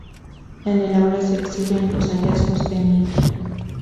En el aula se exhiben los hallazgos de Nida.